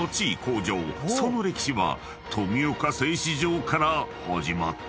［その歴史は富岡製糸場から始まった⁉］